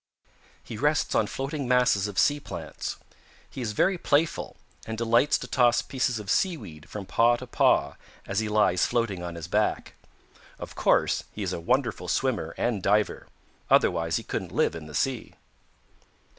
He rests on floating masses of sea plants. He is very playful and delights to toss pieces of seaweed from paw to paw as he lies floating on his back. Of course he is a wonderful swimmer and diver. Otherwise he couldn't live in the sea.